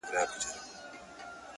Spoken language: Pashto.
داړي ولوېدې د ښکار کیسه سوه پاته -